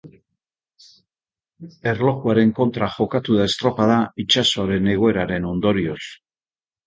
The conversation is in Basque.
Erlojuaren kontra jokatu da estropada, itsasoaren egoeraren ondorioz.